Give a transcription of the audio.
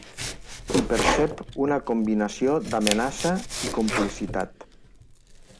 Hi percep una combinació d'amenaça i complicitat.